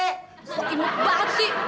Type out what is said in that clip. kok imut banget sih